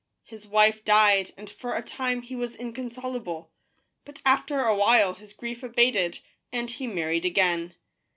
His wife died, and for a time he was inconsolable; but after a while his grief abated, and he married again.